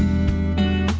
hẹn gặp lại